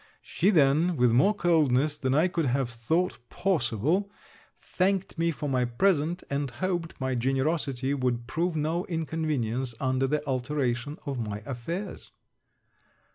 She then, with more coldness than I could have thought possible, thanked me for my present, and hoped my generosity would prove no inconvenience under the alteration of my affairs.